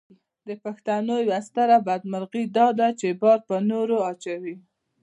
د پښتنو یوه ستره بدمرغي داده چې بار پر نورو اچوي.